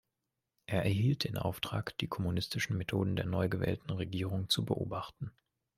Er erhielt den Auftrag, die kommunistischen Methoden der neugewählten Regierung zu beobachten.